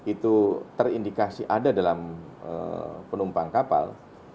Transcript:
itu terindikasi ada dalam penumpang kapal